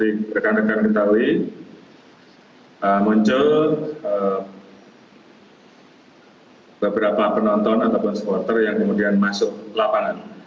seperti rekan rekan ketahui muncul beberapa penonton ataupun supporter yang kemudian masuk lapangan